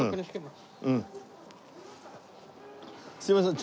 すみません。